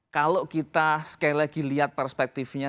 kalau kita sekali lagi lihat perspektifnya